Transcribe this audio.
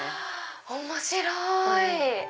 面白い！